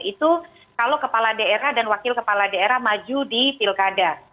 itu kalau kepala daerah dan wakil kepala daerah maju di pilkada